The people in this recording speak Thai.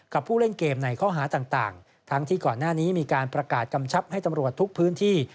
ผู้เล่นเกมในข้อหาต่างทั้งที่ก่อนหน้านี้มีการประกาศกำชับให้ตำรวจทุกพื้นที่